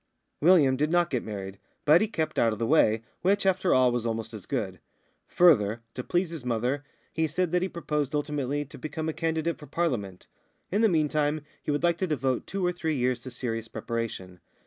William did not get married, but he kept out of the way, which, after all, was almost as good. Further, to please his mother, he said that he proposed ultimately to become a candidate for Parliament. In the meantime, he would like to devote two or three years to serious preparation.